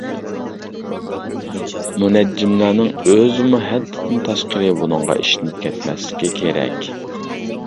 مۇنەججىملەرنىڭ ئۆزىمۇ ھەددىدىن تاشقىرى بۇنىڭغا ئىشىنىپ كەتمەسلىكى كېرەك.